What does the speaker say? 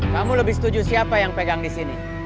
kamu lebih setuju siapa yang pegang disini